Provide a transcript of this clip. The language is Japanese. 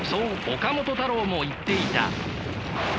岡本太郎も言っていた。